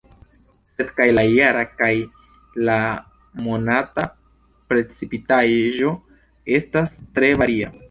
Sed kaj la jara kaj la monata precipitaĵo estas tre varia.